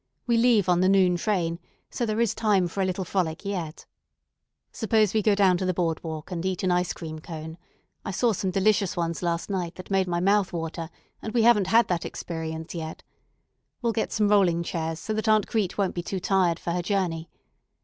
We leave on the noon train; so there is time for a little frolic yet. Suppose we go down to the board walk, and eat an ice cream cone. I saw some delicious ones last night that made my mouth water, and we haven't had that experience yet. We'll get some rolling chairs so that Aunt Crete won't be too tired for her journey.